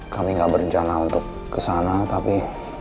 kami gak berencana untuk kesana tapi